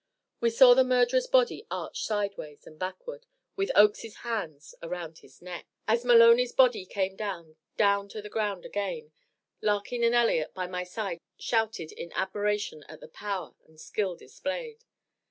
We saw the murderer's body arch sideways and backward, with Oakes's hands around his neck. As Maloney's body came down, down to the ground again, Larkin and Elliott by my side shouted in admiration at the power and skill displayed.